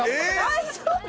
大丈夫？